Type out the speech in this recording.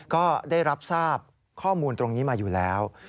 ก็ได้รับทราบข้อมูลตรงนี้มาอยู่แล้ว